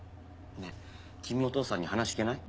ねぇ君のお父さんに話聞けない？